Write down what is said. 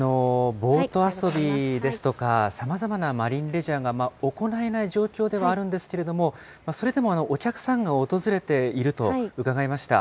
ボート遊びですとか、さまざまなマリンレジャーが行えない状況ではあるんですけれども、それでもお客さんが訪れていると伺いました。